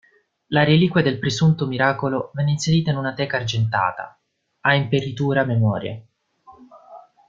La reliquia del presunto miracolo venne inserita in una teca argentata, a imperitura memoria.